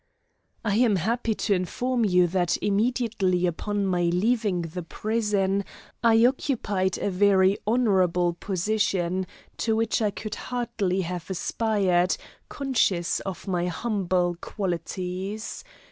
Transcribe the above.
I am happy to inform you that immediately upon my leaving the prison I occupied a very honourable position, to which I could hardly have aspired, conscious of my humble qualities.